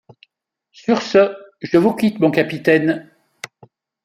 Sur ce, je vous quitte, mon capitaine.